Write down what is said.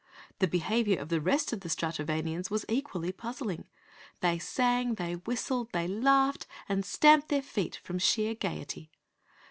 The behavior of the rest of the Stratovanians was equally puzzling. They sang, they whistled, they laughed and stamped their feet from sheer gaiety.